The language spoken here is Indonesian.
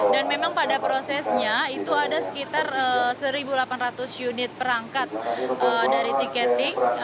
dan memang pada prosesnya itu ada sekitar satu delapan ratus unit perangkat dari tiketing